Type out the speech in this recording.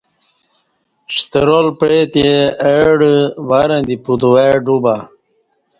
شترال پیعتے اہ ڈہ ورں دی پتوای ڈوبہ